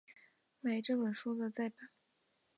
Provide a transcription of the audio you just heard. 买这本书的再版